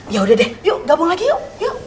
ya udah deh yuk gabung lagi yuk